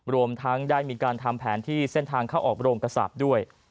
รวมทั้งได้มีการทำแผนที่เส้นทางเข้าออกโรงกษาปด้วย